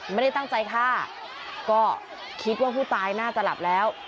ไม่ได้ตั้งใจฆ่าก็คิดว่าผู้ตายน่าจะหลับแล้ว